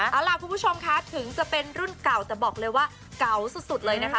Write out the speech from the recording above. เอาล่ะคุณผู้ชมคะถึงจะเป็นรุ่นเก่าแต่บอกเลยว่าเก่าสุดเลยนะคะ